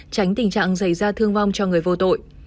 tránh tình trạng xảy ra thương vong cho người vô tội